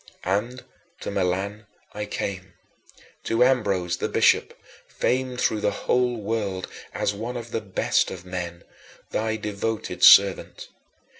And to Milan I came, to Ambrose the bishop, famed through the whole world as one of the best of men, thy devoted servant.